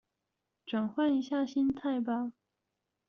轉換一下心態吧